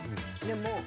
でも。